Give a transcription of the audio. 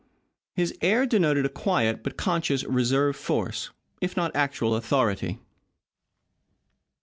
His air denoted a quiet but conscious reserve force, if not actual authority.